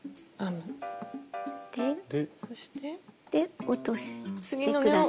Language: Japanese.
そして。で落として下さい。